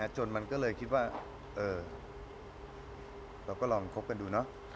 จนมันก็เลยคิดว่าเราก็ลองครบจะดู